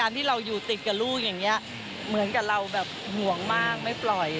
ที่เราอยู่ติดกับลูกอย่างนี้เหมือนกับเราแบบห่วงมากไม่ปล่อย